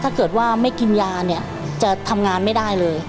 ถ้าเกิดว่าไม่กินยาเนี่ยจะทำงานไม่ได้เลย